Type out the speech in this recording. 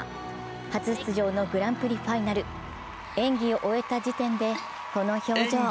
初出場のグランプリファイナル、演技を終えた時点でこの表情。